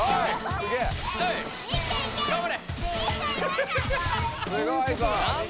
すごいぞ！